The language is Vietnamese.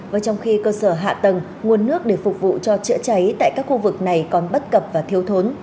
và trong khi cơ sở hạ tầng nguồn nước để phục vụ cho chữa cháy tại các khu vực này còn bất cập và thiếu thốn